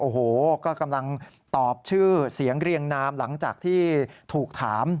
โอ้โหก็กำลังตอบชื่อเสียงเรียงนามหลังจากที่ถูกถาม